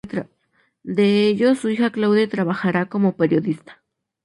De ellos su hija Claude trabajará como periodista.